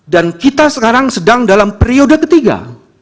dan kita sekarang sedang dalam periode ketiga